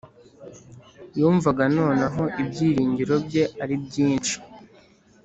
yumvaga noneho ibyiringiro bye ari byinshi